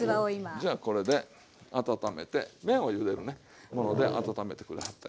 じゃあこれで温めて麺をゆでるねもので温めてくれはったら。